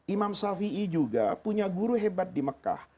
imam syafi'i juga punya guru hebat di mekah